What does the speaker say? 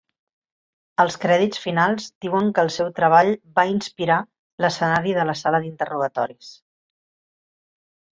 Els crèdits finals diuen que el seu treball "va inspirar" l'escenari de la Sala d'Interrogatoris.